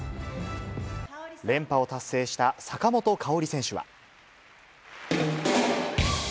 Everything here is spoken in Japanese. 連覇を達成した坂本花織選手は。